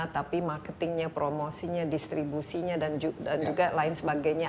tapi marketingnya promosinya distribusinya dan juga lain sebagainya